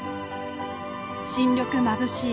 新緑まぶしい